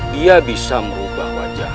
dia bisa merubah wajahmu